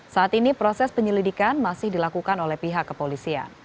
saat ini proses penyelidikan masih dilakukan oleh pihak kepolisian